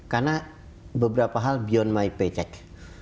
karena beberapa hal beyond my paycheck